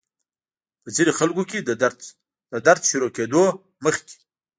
پۀ ځينې خلکو کې د درد شورو کېدو نه مخکې